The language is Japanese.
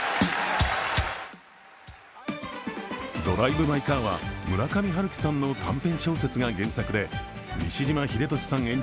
「ドライブ・マイ・カー」は村上春樹さんの短編小説が原作で、西島秀俊さん